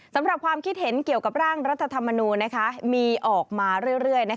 ความคิดเห็นเกี่ยวกับร่างรัฐธรรมนูลมีออกมาเรื่อย